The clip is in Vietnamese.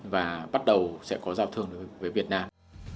và bắt đầu sẽ có giao thương với việt nam